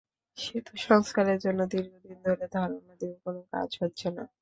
সেতু সংস্কারের জন্য দীর্ঘদিন ধরে ধরনা দিয়েও কোনো কাজ হচ্ছে না।